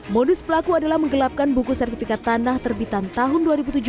modus pelaku adalah menggelapkan buku sertifikat tanah terbitan tahun dua ribu tujuh belas